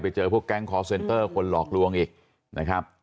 เจอพวกแก๊งคอร์เซ็นเตอร์คนหลอกลวงอีกนะครับ